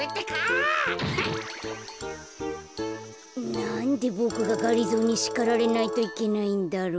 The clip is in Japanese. ・なんでボクががりぞーにしかられないといけないんだろう？